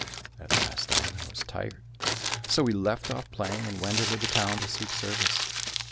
At last Ivan was tired, so he left off playing and went into the town to seek service.